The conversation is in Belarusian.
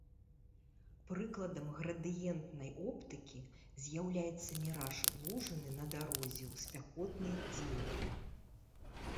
Прыкладам градыентнай оптыкі з'яўляецца міраж лужыны на дарозе ў спякотны дзень.